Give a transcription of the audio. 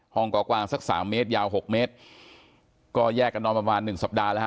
ก่อกวางสักสามเมตรยาวหกเมตรก็แยกกันนอนประมาณหนึ่งสัปดาห์แล้วฮ